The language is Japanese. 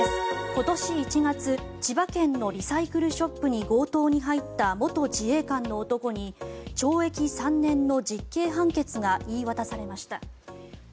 今年１月千葉県のリサイクルショップに強盗に入った元自衛官の男に懲役３年の実刑判決が言い渡されました。